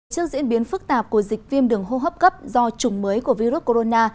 trước diễn biến phức tạp của dịch viêm đường hô hấp cấp do chủng mới của virus corona